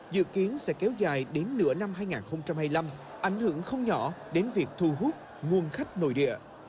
dự kiến sẽ kéo dài đến nửa năm hai nghìn hai mươi năm ảnh hưởng không nhỏ đến việc thu hút nguồn khách nội địa